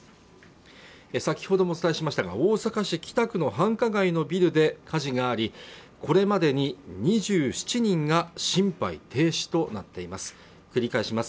先ほどもお伝えしましたが大阪市北区の繁華街のビルで火事がありこれまでに２７人が心肺停止となっています